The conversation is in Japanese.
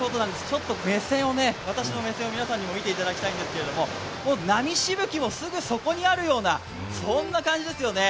ちょっと私の目線を皆さんにも見ていただきたいんですけど波しぶきもすぐそこにあるような、そんな感じですよね。